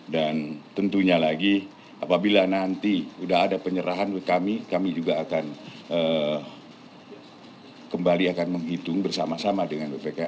dan tentunya lagi apabila nanti sudah ada penyerahan kami kami juga akan kembali akan menghitung bersama sama dengan bpkp